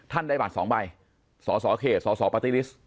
ท่านได้บัตร๒ใบสสเขตสสปติฤษฐ์